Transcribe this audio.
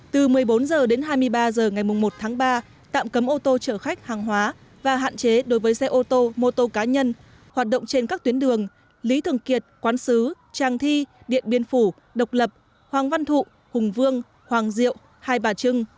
từ một mươi bốn h đến hai mươi ba h ngày một tháng ba tạm cấm ô tô chở khách hàng hóa và hạn chế đối với xe ô tô mô tô cá nhân hoạt động trên các tuyến đường lý thường kiệt quán sứ tràng thi điện biên phủ độc lập hoàng văn thụ hùng vương hoàng diệu hai bà trưng